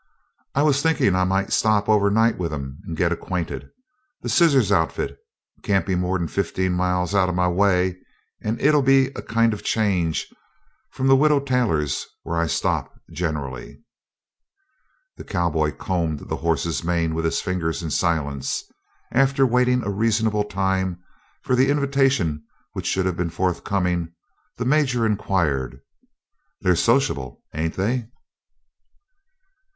"I was thinkin' I might stop over night with 'em and git acquainted. The Scissors Outfit can't be more'n fifteen mile out of my way, and it'll be a kind of a change from the Widder Taylor's, whur I stop generally." The cowboy combed the horse's mane with his fingers in silence. After waiting a reasonable time for the invitation which should have been forthcoming, the Major inquired: "They're sociable, ain't they?"